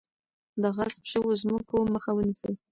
د غصب شوو ځمکو مخه ونیسئ.